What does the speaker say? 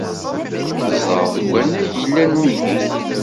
Tezdeɣ deg wannag yellan nnig-i.